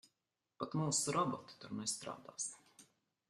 Pat mūsu roboti tur nestrādās.